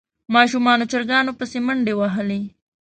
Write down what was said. ماشومانو چرګانو پسې منډې وهلې.